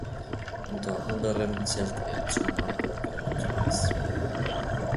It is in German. Unter anderem zählte er zum Marburger Kreis.